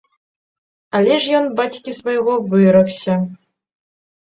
Але ж ён бацькі свайго выракся.